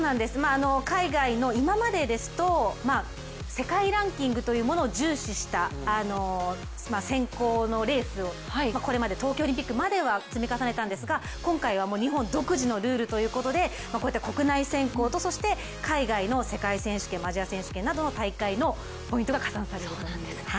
海外の、今までですと、世界ランキングというものを重視した選考のレース、これまでは東京オリンピックまでは積み重ねたんですが今回は日本独自のルールということで国内選考とそして海外の世界選手権アジア選手権などの大会のポイントが加算されるということです。